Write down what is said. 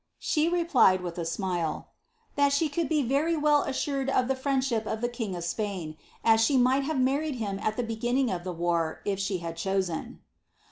She replied, with a smile, ^^ that she could he very well assured of the friendship of the king of Spain, as she might have married him at the beginning of the war, if she had chosen.''